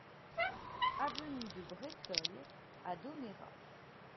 Avenue de Bressolles à Domérat